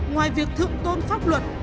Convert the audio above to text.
ngoài việc thượng tôn pháp luật